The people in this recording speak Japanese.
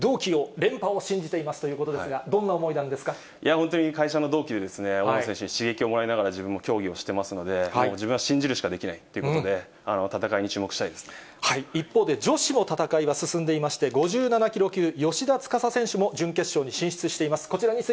連覇を信じていますということなんですが、本当に会社の同期で、大野選手に刺激をもらいながら自分も競技をしてますので、もう自分を信じるしかできないということで、戦いに注目したいと一方で、女子の戦いも進んでいまして、５７キロ級、芳田司選手も準決勝に進出しています。